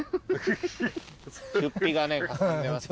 出費がかさんでますね。